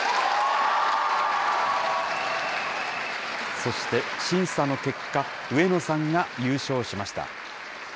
そして審査の結果、上野さんが優勝しました。